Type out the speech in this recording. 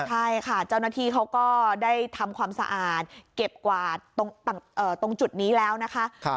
ใช่ค่ะเจ้าหน้าที่เขาก็ได้ทำความสะอาดเก็บกวาดตรงจุดนี้แล้วนะคะ